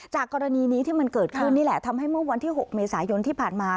กรณีนี้ที่มันเกิดขึ้นนี่แหละทำให้เมื่อวันที่๖เมษายนที่ผ่านมา